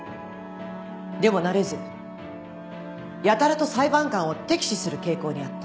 でもなれずやたらと裁判官を敵視する傾向にあった。